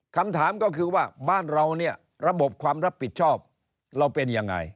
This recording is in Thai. คำถามก็คือว่าบ้านเราเนี่ยระบบความรับผิดชอบเราเป็นยังไง